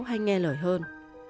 hay nghe lời hơn